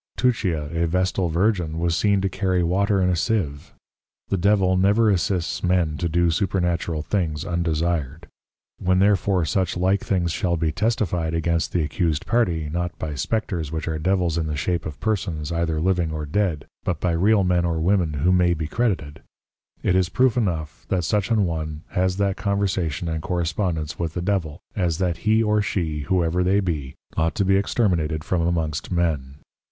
Tuccia a Vestal Virgin was seen to carry Water in a Sieve: The Devil never assists men to do supernatural things undesired. When therefore such like things shall be testified against the accused Party not by Spectres which are Devils in the Shape of Persons either living or dead, but by real men or women who may be credited; it is proof enough that such an one has that Conversation and Correspondence with the Devil, as that he or she, whoever they be, ought to be exterminated from amongst men.